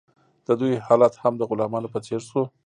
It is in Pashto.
د دوی حالت هم د غلامانو په څیر شو.